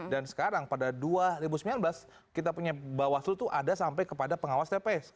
dan sekarang pada dua ribu sembilan belas kita punya bawah seluruh itu ada sampai kepada pengawas tps